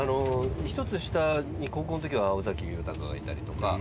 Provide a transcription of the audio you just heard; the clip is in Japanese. １つ下に高校の時は尾崎豊がいたりとか。